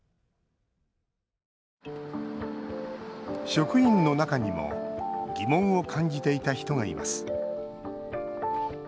職員の中にも疑問を感じていた人がいます。